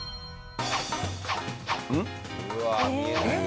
うわあ見えない。